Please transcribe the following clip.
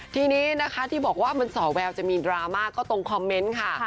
ทีนี้นะคะที่บอกว่ามันสอแววจะมีดราม่าก็ตรงคอมเมนต์ค่ะ